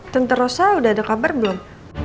tante rosa udah ada kabar belum